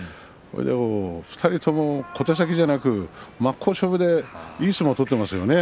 ２人とも小手先ではなく真っ向勝負でいい相撲を取っていますね。